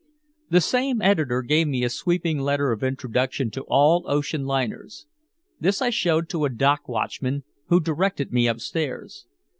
The same editor gave me a sweeping letter of introduction to all ocean liners. This I showed to a dock watchman, who directed me upstairs.